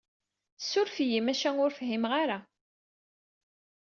Ssuref-iyi, maca ur fhimeɣ ara.